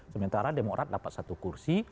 sementara demokrat dapat satu kursi